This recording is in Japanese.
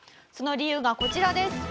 その理由がこちらです。